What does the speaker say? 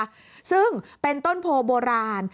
สูงไม่เบานะคะซึ่งเป็นต้นโพลโบราณ